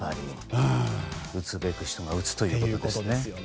打つべくして打つということですよね。